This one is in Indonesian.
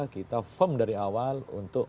kita firm dari awal untuk